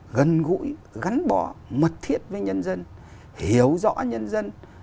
gần gũi gắn bó mật thiết với nhân dân hiểu rõ nhân dân